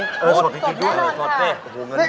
โน้นค่ะ